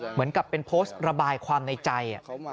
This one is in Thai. เหมือนกับเป็นโพสต์ระบายความในใจ